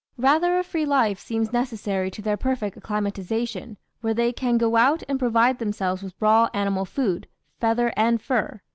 "Rather a free life seems necessary to their perfect acclimatisation, where they can go out and provide themselves with raw animal food, 'feather and fur.'